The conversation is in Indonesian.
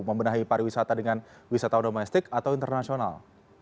membenahi pariwisata dengan wisatawan domestik atau internasional